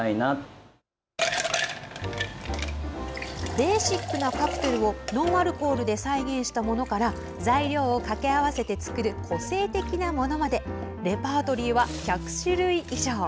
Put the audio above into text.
ベーシックなカクテルをノンアルコールで再現したものから材料をかけ合わせて作る個性的なものまでレパートリーは１００種類以上。